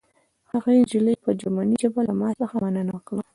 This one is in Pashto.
هغې نجلۍ په جرمني ژبه له ما څخه مننه وکړه